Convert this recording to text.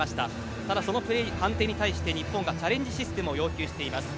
ただ、その判定に対して日本がチャレンジシステムを要求しています。